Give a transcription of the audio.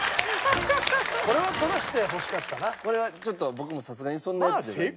これはちょっと僕もさすがにそんなヤツじゃない。